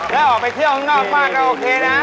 มาออกไปเที่ยวข้างนอกมากแล้วโอเคน่ะ